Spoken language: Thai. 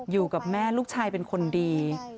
อยู่กับแม่ลูกชายเป็นคนดี